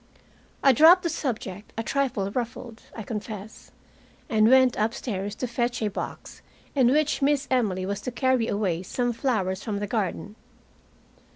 I dropped the subject, a trifle ruffled, I confess, and went upstairs to fetch a box in which Miss Emily was to carry away some flowers from the garden.